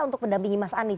untuk mendampingi mas anies